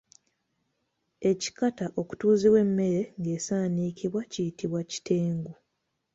Ekikata okutuuzibwa emmere ng'esaanikibwa kiyitibwa kitengu.